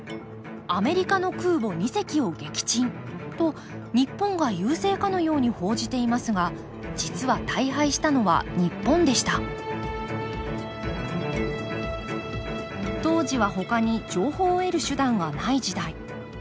「アメリカの空母二隻を撃沈」と日本が優勢かのように報じていますが実は大敗したのは日本でした当時はほかに情報を得る手段がない時代。